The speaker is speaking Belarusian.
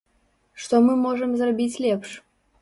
Што мы можам зрабіць лепш?